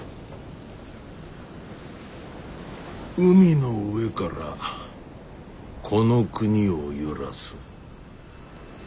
海の上からこの国を揺らす。